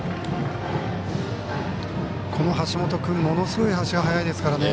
この橋本君、ものすごく足が速いですからね。